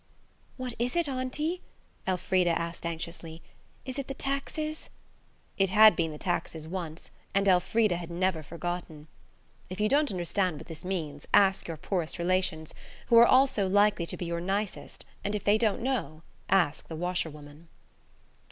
"What is it, auntie?" Elfrida asked anxiously; "is it the taxes?" It had been the taxes once, and Elfrida had never forgotten. (If you don't understand what this means ask your poorest relations, who are also likely to be your nicest and if they don't know, ask the washerwoman.)